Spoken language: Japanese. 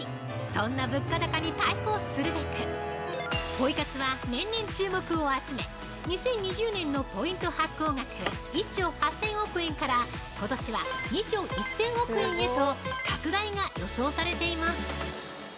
そんな物価高に対抗するべくポイ活は年々注目を集め２０２０年のポイント発行額１兆８０００億円からことしは２兆１０００億円へと拡大が予想されています！